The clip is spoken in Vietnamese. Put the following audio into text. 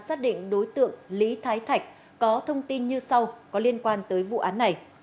xác định đối tượng lý thái thạch có thông tin như sau có liên quan tới vụ án này